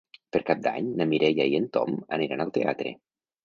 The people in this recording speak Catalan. Per Cap d'Any na Mireia i en Tom aniran al teatre.